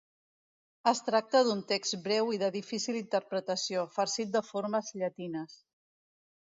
Es tracta d’un text breu i de difícil interpretació, farcit de formes llatines.